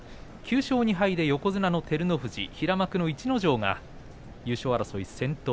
９勝２敗で横綱の照ノ富士と平幕の逸ノ城が優勝争い先頭。